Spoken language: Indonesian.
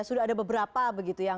sudah ada beberapa begitu